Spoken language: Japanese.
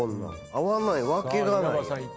合わないわけがないやん。